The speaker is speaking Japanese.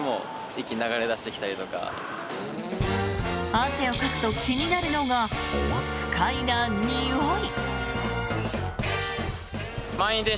汗をかくと気になるのが不快なにおい。